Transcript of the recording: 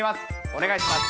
お願いします。